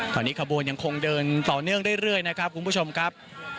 ตอนนี้ขบวนยังคงเดินต่อเนื่องเรื่อยนะครับคุณผู้ชมครับ